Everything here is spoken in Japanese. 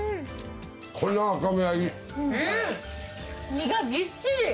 身がぎっしり！